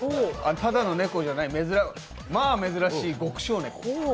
ただの猫じゃない、まあ珍しい極小猫。